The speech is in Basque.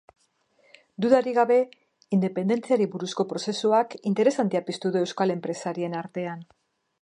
Dudarik gabe, independentziari buruzko prozesuak interes handia piztu du euskal enpresarien artean.